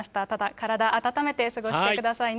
体温めて過ごしてくださいね。